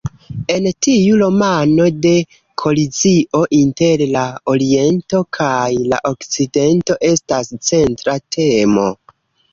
En tiu romano la kolizio inter la Oriento kaj la Okcidento estas centra temo.